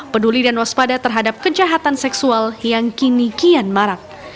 peduli dan waspada terhadap kejahatan seksual yang kini kian marak